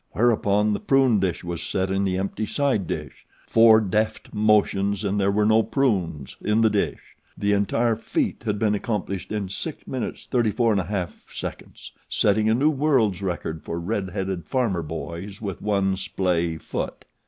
Whereupon the prune dish was set in the empty side dish four deft motions and there were no prunes in the dish. The entire feat had been accomplished in 6:34 1/2, setting a new world's record for red headed farmer boys with one splay foot.